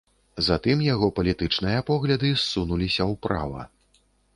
Затым яго палітычныя погляды ссунуліся ўправа.